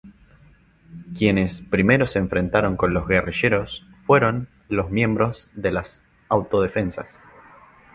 Quienes primero se enfrentaron con los guerrilleros fueron los miembros de las Autodefensas.